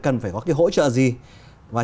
cần phải có cái hỗ trợ gì và